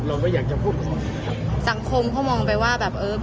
เราไม่อยากจะพูดความสังคมเขามองไปว่าแบบเออ